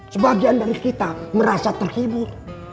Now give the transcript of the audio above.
sebagian dari kita merasa terhibur